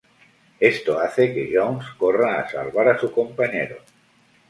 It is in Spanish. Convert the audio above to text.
Esto hace que Jones corra a salvar a su compañero.